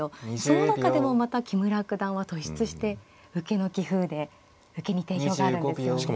その中でもまた木村九段は突出して受けの棋風で受けに定評があるんですよね。